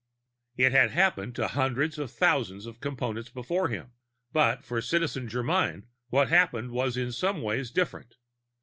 It had happened to hundreds of thousands of Components before him, but, for Citizen Germyn, what happened was in some ways different.